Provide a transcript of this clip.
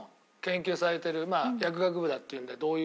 薬学部だっていうんでどういうような薬のね。